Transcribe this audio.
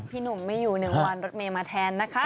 พี่หนุ่มไม่อยู่๑วันรถเมย์มาแทนนะคะ